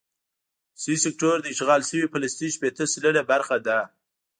سي سیکټور د اشغال شوي فلسطین شپېته سلنه برخه ده.